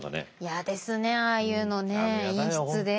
嫌ですねああいうのね陰湿で。